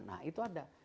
nah itu ada